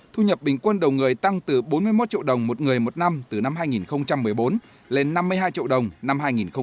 thu nhập bình quân đầu người tăng từ bốn mươi một triệu đồng một người một năm từ năm hai nghìn một mươi bốn lên năm mươi hai triệu đồng năm hai nghìn một mươi bảy